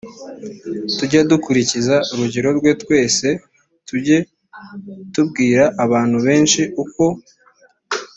tujye dukurikiza urugero rwe twese tujye tubwira abantu benshi uko